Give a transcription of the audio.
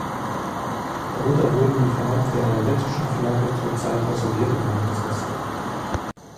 Darunter wurden die Farben der lettischen Flagge zur Zeit der Sowjetunion gesetzt.